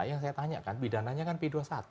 yang saya tanyakan pidananya kan p dua puluh satu